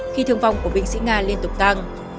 khi thương vong của binh sĩ nga liên tục tăng